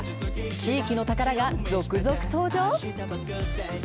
地域の宝が続々登場？